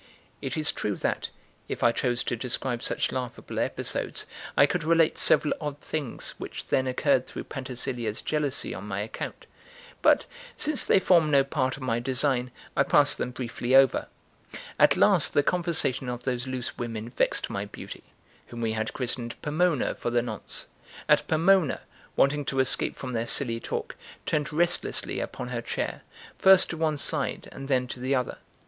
It is true that, if I chose to describe such laughable episodes, I could relate several odd things which then occurred through Pantasilea's jealousy on my account; but since they form no part of my design, I pass them briefly over. At last the conversation of those loose women vexed my beauty, whom we had christened Pomona for the nonce; and Pomona, wanting to escape from their silly talk, turned restlessly upon her chair, first to one side and then to the other.